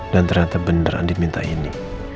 dan ternyata beneran diminta ini